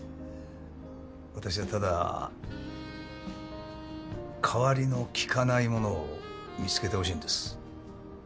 私はただかわりのきかないものを見つけてほしいんです。